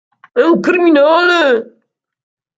È un criminale.